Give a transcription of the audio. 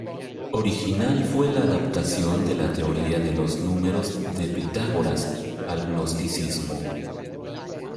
Original fue la adaptación de la teoría de los números de Pitágoras al gnosticismo.